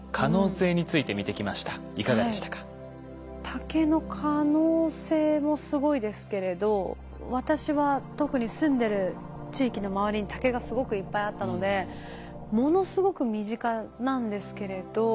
竹の可能性もすごいですけれど私は特に住んでる地域の周りに竹がすごくいっぱいあったのでものすごく身近なんですけれど。